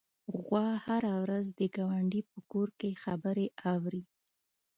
غوا هره ورځ د ګاونډي په کور کې خبرې اوري.